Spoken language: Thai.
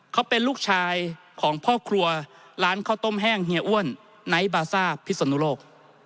เขาเป็นลูกชายของพ่อครัวร้านข้าวต้มแห้งเฮียอ้วนไนท์บาซ่าพิศนุโลก